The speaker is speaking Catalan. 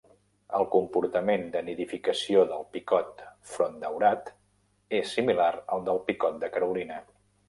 El comportament de nidificació del picot frontdaurat és similar al del picot de Carolina.